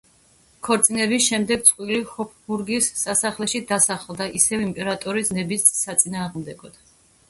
ქორწინების შემდეგ წყვილი ჰოფბურგის სასახლეში დასახლდა, ისევ იმპერატორის ნების საწინააღმდეგოდ.